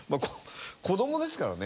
子どもですからね。